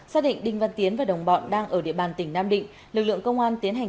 hai nghìn hai mươi ba xác định đinh văn tiến và đồng bọn đang ở địa bàn tỉnh nam định lực lượng công an tiến